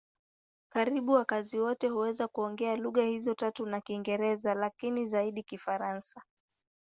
Karibu wakazi wote huweza kuongea lugha hizo zote tatu na Kiingereza, lakini zaidi Kifaransa.